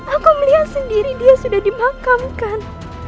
aku melihat sendiri dia sudah dimakamkan